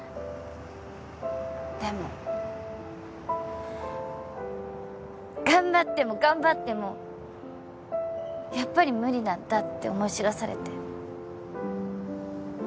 でも頑張っても頑張ってもやっぱり無理なんだって思い知らされて。